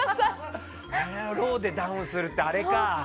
ローでダウンするってあれか。